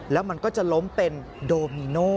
แล้วมันก็จะล้มเป็นโดมิโน่